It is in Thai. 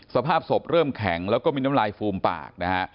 สภาพศพเริ่มแข็งแล้วก็มีน้ำลายฟูมปากนะฮะ